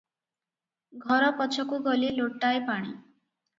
ଘର ପଛକୁ ଗଲେ ଲୋଟାଏ ପାଣି ।